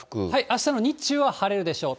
あしたの日中は晴れるでしょう。